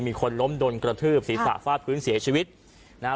มีคนล้มโดนกระทืบศีรษะฟาดพื้นเสียชีวิตนะฮะ